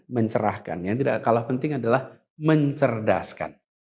mencerahkan yang tidak kalah penting adalah mencerdaskan